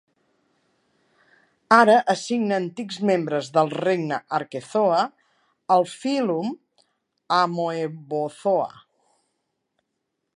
Ara assigna antics membres del regne Arquezoa al fílum Amoebozoa.